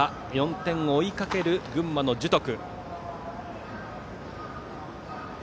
４点を追いかける群馬の樹徳。